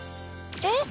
えっ！